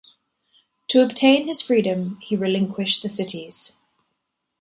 To obtain his freedom, he relinquished the cities.